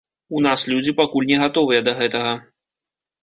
У нас людзі пакуль не гатовыя да гэтага.